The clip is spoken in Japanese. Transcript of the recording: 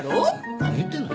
何言ってんの？